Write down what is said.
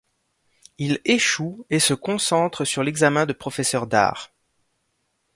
Il échoue, et se concentre sur l'examen de professeur d'art.